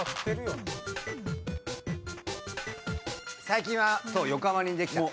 最近は。